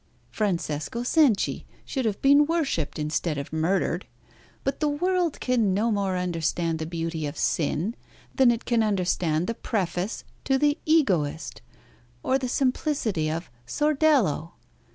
Francesco Cenci should have been worshipped instead of murdered. But the world can no more understand the beauty of sin, than it can understand the preface to 'The Egoist,' or the simplicity of 'Sordello.'